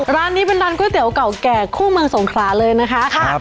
ร้านนี้เป็นร้านก๋วยเตี๋ยวเก่าแก่คู่เมืองสงขลาเลยนะคะ